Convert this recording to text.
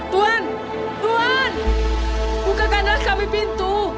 tuan tuan bukakanlah kami pintu